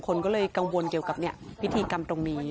คนก็เลยกังวลเกี่ยวกับพิธีกรรมตรงนี้